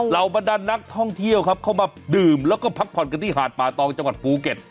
บรรดานนักท่องเที่ยวครับเข้ามาดื่มแล้วก็พักผ่อนกันที่หาดป่าตองจังหวัดภูเก็ต